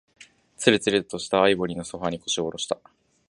つるつるとしたアイボリーのソファーに、腰を下ろした。